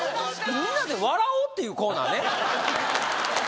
みんなで笑おうっていうコーナーね